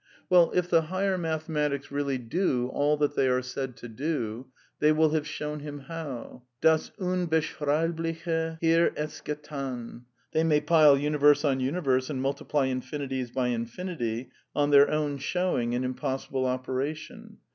Well, if the higher mathematics really do all that they are said to do, they will have shown him how. " Das Unbeschreibliche, Hier ist's gethan." They may pile universe on universe and multiply in finities by infinity (on their own showing an impossible operation).